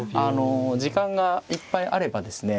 時間がいっぱいあればですね